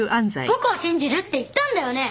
僕を信じるって言ったんだよね？